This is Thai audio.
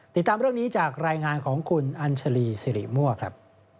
ติดตามเรื่องนี้จากรายงานของคุณอัญชาลีสิริมั่วครับ